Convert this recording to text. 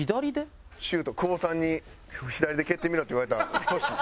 久保さんに左で蹴ってみろって言われたトシ。